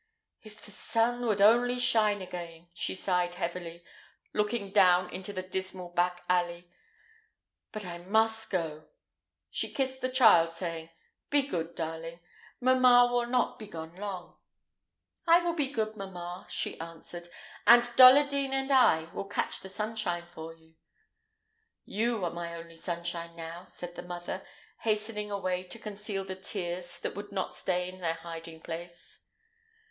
"If the sun would only shine again," she sighed heavily, looking down into the dismal back alley; "but I must go." She kissed the child, saying, "Be good, darling mamma will not be gone long." "I will be good, mamma," she answered, "and Dolladine and I will catch the sunshine for you." "You are my only sunshine now," said the mother, hastening away to conceal the tears that would not stay in their hiding place.